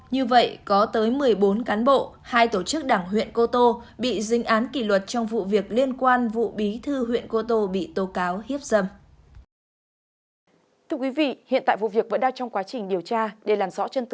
như vậy có tới một mươi bốn cán bộ hai tổ chức đảng huyện cô tô bị dính án kỷ luật trong vụ việc liên quan vụ bí thư huyện cô tô bị tố cáo hiếp dâm